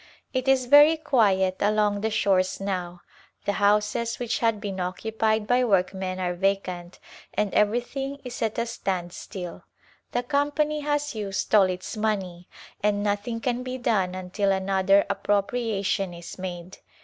It is very quiet along the shores now \ the houses which had been occupied by workmen are vacant and everything is at a standstill. The company has used all its money and nothing can be done until another appropriation is made.